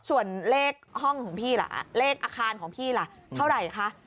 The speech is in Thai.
ส่วนเลขห้องของพี่ล่ะเลขอาคารของพี่ล่ะเท่าไหร่คะ